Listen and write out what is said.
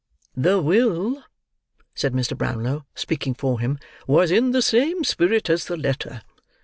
"The will," said Mr. Brownlow, speaking for him, "was in the same spirit as the letter.